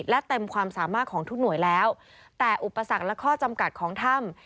และเต็มความสามารถของทุกหน่วยแล้วแต่อุปสรรคและข้อจำกัดของถ้ำ